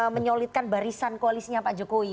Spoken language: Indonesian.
menyolidkan barisan koalisinya pak jokowi